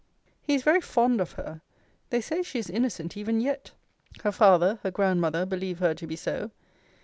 He is very fond of her. They say she is innocent even yet her father, her grandmother, believe her to be so.